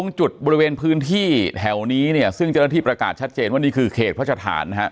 จุดบริเวณพื้นที่แถวนี้เนี่ยซึ่งเจ้าหน้าที่ประกาศชัดเจนว่านี่คือเขตพระสถานนะฮะ